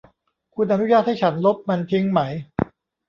คุณอนุญาตให้ฉันลบมันทิ้งไหม ?